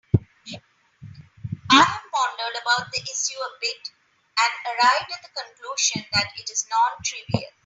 I have pondered about the issue a bit and arrived at the conclusion that it is non-trivial.